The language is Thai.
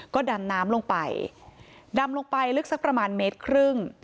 ก็ดำน้ำลงไปดำลงไปลึกสักประมาณเมตรครึ่ง